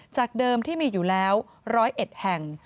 จากเดิมที่มีอยู่แล้ว๑๐๑แห่ง